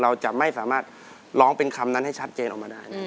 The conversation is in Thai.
เราจะไม่สามารถร้องเป็นคำนั้นให้ชัดเจนออกมาได้